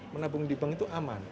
menabung di bank itu aman